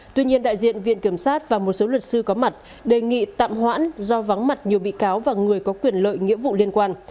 tuy nhiên đại diện viện kiểm sát và một số luật sư có mặt đề nghị tạm hoãn do vắng mặt nhiều bị cáo và người có quyền lợi nghĩa vụ liên quan